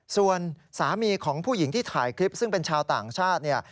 ส่วนสามีของผู้หญิงที่ถ่ายคลิปซึ่งเป็นชาวต่างชาติเนี่ย